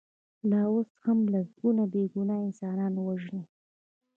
لا اوس هم لسګونه بې ګناه انسانان وژني.